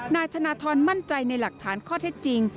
นายธนทรมั่นใจในหลักฐานข้อเท็จจริง